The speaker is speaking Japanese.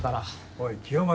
おい清正。